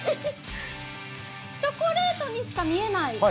チョコレートにしか見えない？